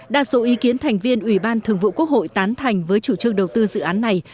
đa số ý kiến thành viên ủy ban thường vụ quốc hội tán thành với chủ trương đầu tư dự án này